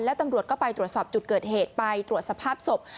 แล้วตำรวจก็ไปตรวจสอบจุดเกิดเหตุไปตรวจสภาพศพ